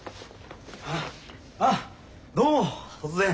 あっどうも突然。